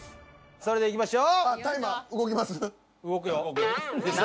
それではいきましょう。